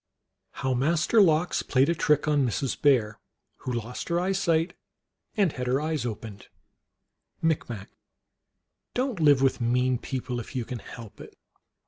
How Master Lox played a Trick on Mrs. Bear, who lost her eyesight and had her eyes opened. (Micmac.) Don t live with mean people if you can help it.